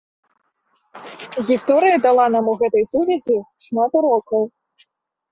Гісторыя дала нам у гэтай сувязі шмат урокаў.